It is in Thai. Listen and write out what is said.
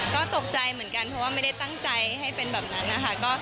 ก็ตกใจเหมือนกันเพราะว่าไม่ได้ตั้งใจให้เป็นแบบนั้นนะคะ